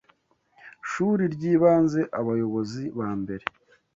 shuri ryibanze Abayobozi bambere